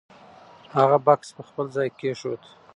هغه بکس په خپل ځای کېښود.